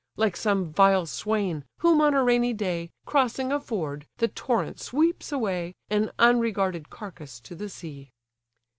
Like some vile swain, whom on a rainy day, Crossing a ford, the torrent sweeps away, An unregarded carcase to the sea."